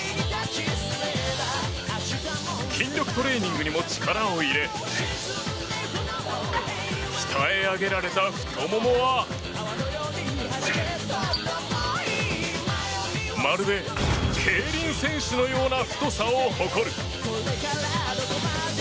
筋力トレーニングにも力を入れ鍛え上げられた太ももはまるで競輪選手のような太さを誇る。